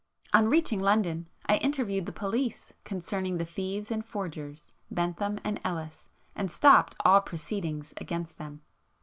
[p 482]On reaching London, I interviewed the police concerning the thieves and forgers, Bentham and Ellis, and stopped all proceedings against them.